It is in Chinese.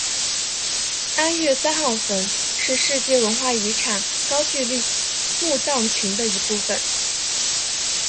安岳三号坟是世界文化遗产高句丽墓葬群的一部份。